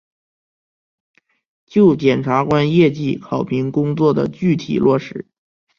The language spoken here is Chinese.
就检察官业绩考评工作的具体落实